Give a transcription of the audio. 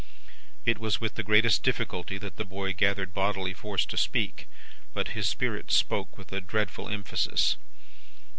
"It was with the greatest difficulty that the boy gathered bodily force to speak; but, his spirit spoke with a dreadful emphasis.